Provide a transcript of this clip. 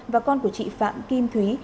và con của chị phạm kim thúy